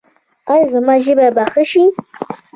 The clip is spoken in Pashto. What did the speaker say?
ایا زما ژبه به ښه شي؟